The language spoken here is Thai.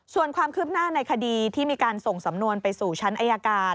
ส่วนความคืบหน้าในคดีที่มีการส่งสำนวนไปสู่ชั้นอายการ